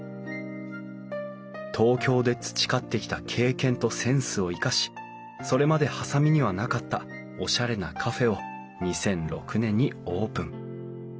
東京で培ってきた経験とセンスを生かしそれまで波佐見にはなかったおしゃれなカフェを２００６年にオープン。